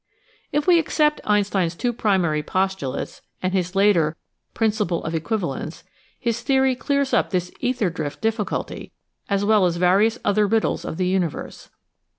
If we accept Einstein's two primary postulates and his later " Principle of Equivalence " his theory clears up this ether drift difficulty as well as various other riddles of the universe.